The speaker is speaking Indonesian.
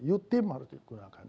u team harus digunakan